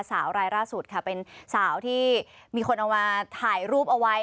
รายล่าสุดค่ะเป็นสาวที่มีคนเอามาถ่ายรูปเอาไว้